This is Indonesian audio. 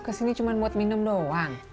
kesini cuma buat minum doang